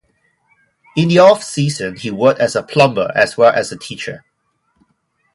In the off-season, he worked as a plumber as well as a teacher.